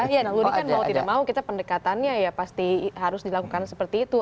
iya naluri kan kalau tidak mau kita pendekatannya ya pasti harus dilakukan seperti itu